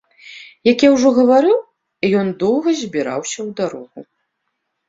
Як я ўжо гаварыў, ён доўга збіраўся ў дарогу.